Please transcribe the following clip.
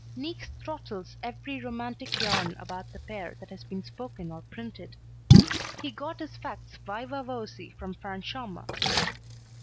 Niecks throttles every romantic yarn about the pair that has been spoken or printed. He got his facts viva voce from Franchomme.